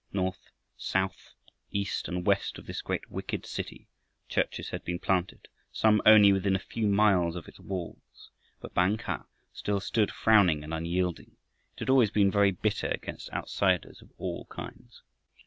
North, south, east, and west of this great wicked city churches had been planted, some only within a few miles of its walls. But Bang kah still stood frowning and unyielding. It had always been very bitter against outsiders of all kinds.